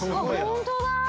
本当だ！